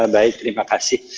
baik terima kasih